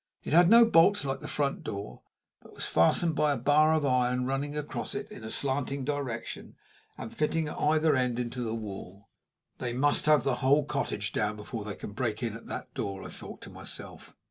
It had no bolts like the front door, but was fastened by a bar of iron running across it in a slanting direction, and fitting at either end into the wall. "They must have the whole cottage down before they can break in at that door!" I thought to myself.